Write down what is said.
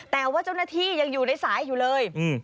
แต่ว่าเจ้าหน้าที่ยังอยู่ในสายอยู่เลย